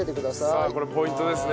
さあこれポイントですね。